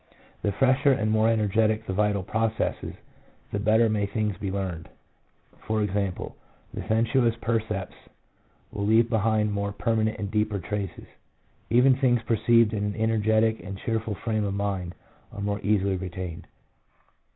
The fresher and more energetic the vital processes, the better may things be learned — i.e., the sensuous percepts will leave behind more permanent and deeper traces ; even things perceived in an energetic and cheerful frame of mind are more easily retained.